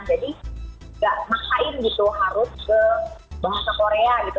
jadi gak maksain gitu harus ke bahasa korea gitu